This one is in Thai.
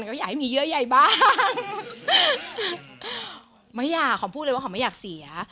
ก็อยากให้มีเยื่อใยบ้างไม่อยากขอพูดเลยว่าเขาไม่อยากเสีย